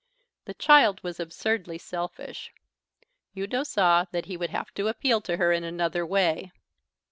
The child was absurdly selfish. Udo saw that he would have to appeal to her in another way.